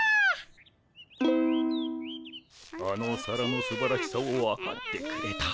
あのお皿のすばらしさを分かってくれた。